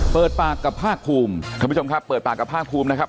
เปิดปากกับภาคภูมิท่านผู้ชมครับเปิดปากกับภาคภูมินะครับ